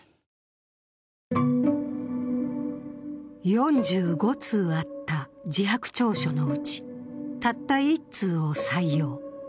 ４５通あった自白調書のうち、たった１通を採用。